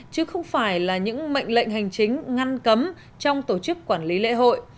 chứ không phải là những mệnh lệnh hành chính ngăn cấm trong tổ chức quản lý lễ hội